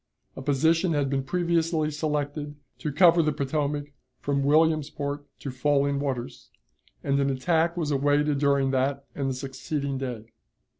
A position had been previously selected to cover the Potomac from Williamsport to Falling Waters, and an attack was awaited during that and the succeeding day.